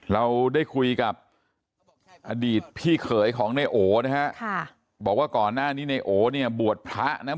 เราได้คุยกับอดีตพี่เขยของในโอนะฮะค่ะบอกว่าก่อนหน้านี้ในโอเนี่ยบวชพระนะ